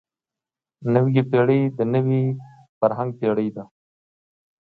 نوې پېړۍ د نوي فرهنګ پېړۍ ده.